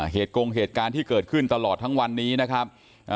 กงเหตุการณ์ที่เกิดขึ้นตลอดทั้งวันนี้นะครับ